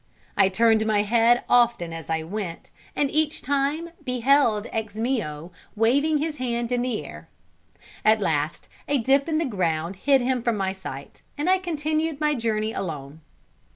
I turned my head often as I went, and each time beheld Ximio waving his hand in the air; at last a dip in the ground hid him from my sight, and I continued my journey alone.